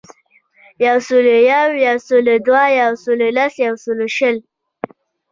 یوسلویو, یوسلودوه, یوسلولس, یوسلوشل